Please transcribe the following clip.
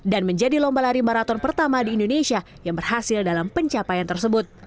dan menjadi lomba lari maraton pertama di indonesia yang berhasil dalam pencapaian tersebut